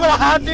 ada apaan sih